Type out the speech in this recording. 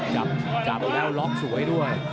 จับแล้วล็อกสวยด้วย